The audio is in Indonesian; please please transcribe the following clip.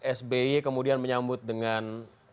pak sbi kemudian menyambut dengan